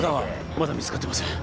まだ見つかってません。